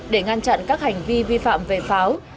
để ngăn chặn các hành vi vi phạm về pháo